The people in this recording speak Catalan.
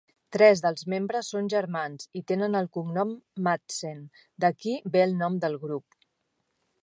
Tres dels membres són germans i tenen el cognom Madsen, d'aquí ve el nom del grup.